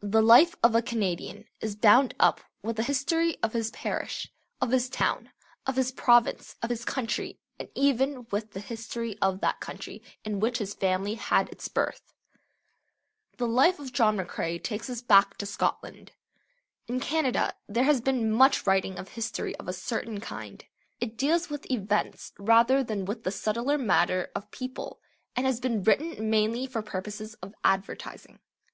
The life of a Canadian is bound up with the history of his parish, of his town, of his province, of his country, and even with the history of that country in which his family had its birth. The life of John McCrae takes us back to Scotland. In Canada there has been much writing of history of a certain kind. It deals with events rather than with the subtler matter of people, and has been written mainly for purposes of advertising.